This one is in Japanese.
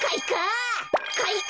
かいか！